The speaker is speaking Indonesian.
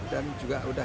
dan juga udah